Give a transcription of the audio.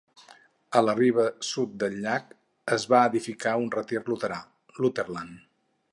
A la riba sud del llac es va edificar un retir luterà, Lutherland.